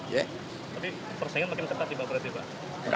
tapi persaingan makin ketat tiba tiba